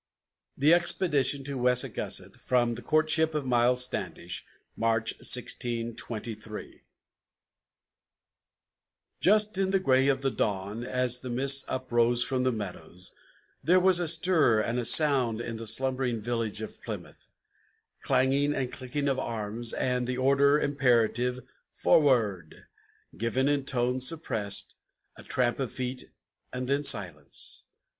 THE EXPEDITION TO WESSAGUSSET From "The Courtship of Miles Standish" [March, 1623] Just in the gray of the dawn, as the mists uprose from the meadows, There was a stir and a sound in the slumbering village of Plymouth; Clanging and clicking of arms, and the order imperative, "Forward!" Given in tone suppressed, a tramp of feet, and then silence.